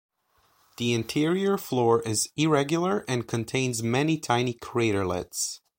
The interior floor is irregular and contains many tiny craterlets.